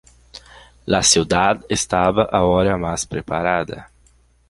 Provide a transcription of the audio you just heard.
La ciudad estaba ahora más preparada.